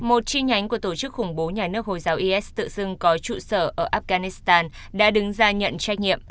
một chi nhánh của tổ chức khủng bố nhà nước hồi giáo is tự xưng có trụ sở ở afghanistan đã đứng ra nhận trách nhiệm